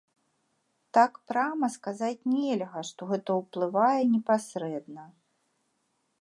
Так прама сказаць нельга, што гэта ўплывае непасрэдна.